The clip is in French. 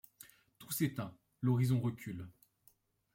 Tout s'éteint. L'horizon recule.